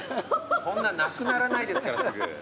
そんななくならないですからすぐ。